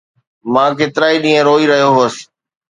مان ڪيترائي ڏينهن روئي رهيو هوس